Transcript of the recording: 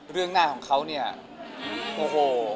เรื่องหน้าของเขาเนี่ยโอ้โห